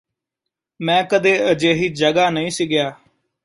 ਮੈ ਕਦੇ ਅਜਿਹੀ ਜਗਾ ਨਹੀਂ ਸੀ ਗਿਆ